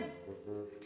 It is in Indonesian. ya memang tumben